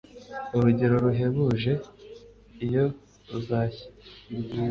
Urugero ruhebuje Iyo uzashya